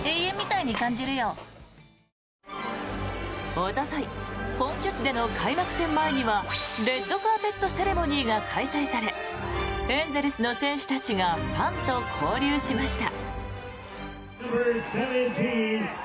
おととい本拠地での開幕戦前にはレッドカーペットセレモニーが開催されエンゼルスの選手たちがファンと交流しました。